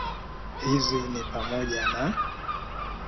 Hizi ni pamoja na